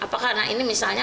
apakah anak ini misalnya